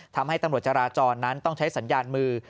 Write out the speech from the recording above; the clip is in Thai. ทำให้ตำรวจจราจรนั้นต้องใช้สัญญาณมือ